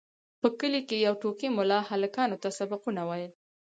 په کلي کې یو ټوکي ملا هلکانو ته سبقونه ویل.